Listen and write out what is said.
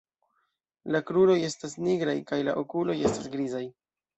La kruroj estas nigraj kaj la okuloj estas grizaj.